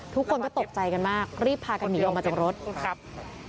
ทุกคนก็ตกใจกันมากรีบพากันหนีออกมาจากรถครับ